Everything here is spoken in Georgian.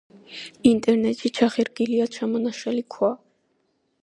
ინტერიერში ჩახერგილია ჩამონაშალი ქვა.